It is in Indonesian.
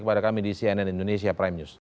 kepada kami di cnn indonesia prime news